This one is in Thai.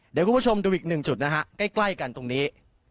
เดี๋ยวคุณผู้ชมดูอีกหนึ่งจุดนะฮะใกล้กันตรงนี้